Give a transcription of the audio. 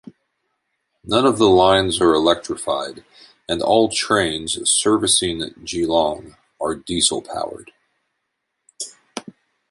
None of the lines are electrified and all trains servicing Geelong are diesel powered.